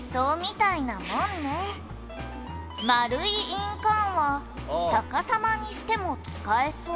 「丸い印鑑は逆さまにしても使えそう」